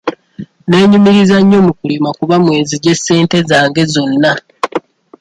Neenyumiriza nnyo mu kulima kuba mwe nzigye ssente zange zonna.